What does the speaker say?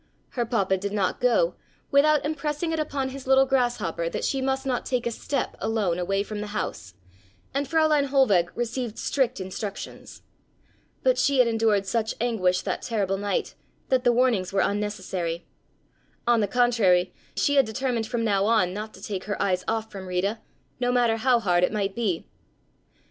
Her papa did not go, without impressing it upon his little "grasshopper" that she must not take a step alone away from the house, and Fräulein Hohlweg received strict instructions. But she had endured such anguish that terrible night that the warnings were unnecessary. On the contrary she had determined from now on not to take her eyes off from Rita, no matter how hard it might be.